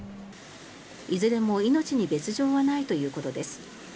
いずれも命に別条はないということです。